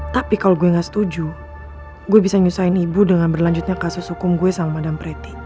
tapi kalau gue gak setuju gue bisa nyusahin ibu dengan berlanjutnya kasus hukum gue sama dan preti